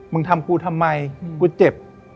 มึงทำกูทำไมกูเจ็บ